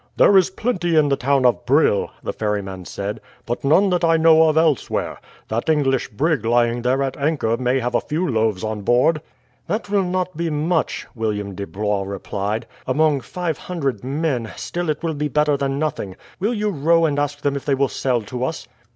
"There is plenty in the town of Brill," the ferryman said; "but none that I know of elsewhere. That English brig lying there at anchor may have a few loaves on board." "That will not be much," William de Blois replied, "among five hundred men, still it will be better than nothing. Will you row and ask them if they will sell to us?"